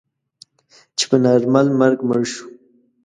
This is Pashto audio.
چې په نارمل مرګ مړ شو.